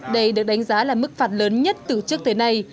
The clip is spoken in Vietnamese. đây được đánh giá là mức phạt lớn nhất từ trước tới nay